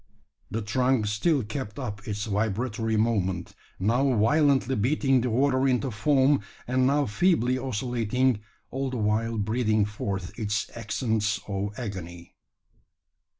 The trunk still kept up its vibratory movement, now violently beating the water into foam, and now feebly oscillating, all the while breathing forth its accents of agony.